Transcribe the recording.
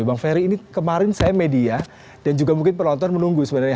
bang ferry ini kemarin saya media dan juga mungkin penonton menunggu sebenarnya